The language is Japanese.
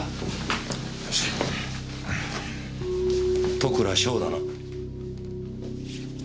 戸倉翔だな？